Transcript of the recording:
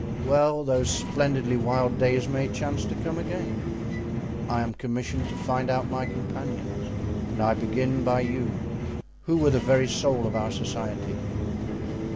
"Well, those splendidly wild days may chance to come again; I am commissioned to find out my companions and I began by you, who were the very soul of our society."